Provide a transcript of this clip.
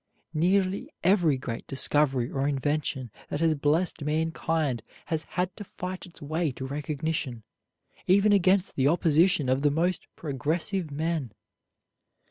Nearly every great discovery or invention that has blessed mankind has had to fight its way to recognition, even against the opposition of the most progressive men.